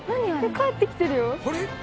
帰ってきてるよ！